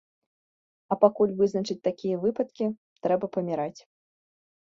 А пакуль вызначаць такія выпадкі, трэба паміраць.